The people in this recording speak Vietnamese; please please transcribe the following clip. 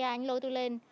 anh lôi tôi lên